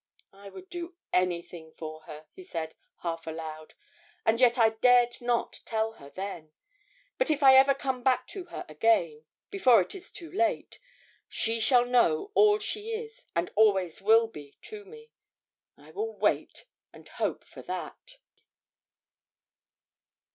'I would do anything for her,' he said, half aloud, 'and yet I dared not tell her then.... But if I ever come back to her again before it is too late she shall know all she is and always will be to me. I will wait and hope for that.'